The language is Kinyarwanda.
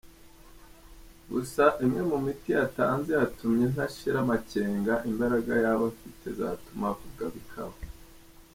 Gusa imwe mu miti yatanze yatumye ntashira amakenga imbaraga yaba afite zatuma avuga bikaba.